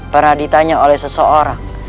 pernah ditanya oleh seseorang